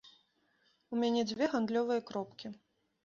У мяне дзве гандлёвыя кропкі.